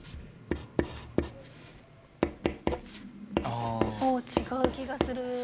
あ違う気がする。